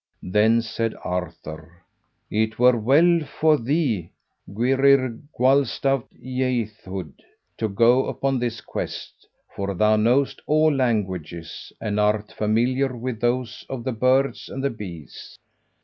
Then said Arthur, "It were well for thee, Gwrhyr Gwalstawt Ieithoedd, to go upon this quest, for thou knowest all languages, and art familiar with those of the birds and the beasts.